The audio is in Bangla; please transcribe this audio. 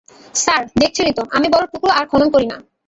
স্যার, দেখছেনই তো, আমি বড়ো টুকরো আর খনন করি না।